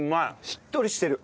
しっとりしてる。